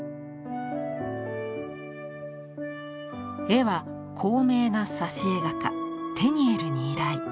絵は高名な挿絵画家テニエルに依頼。